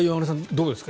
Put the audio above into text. どうですか？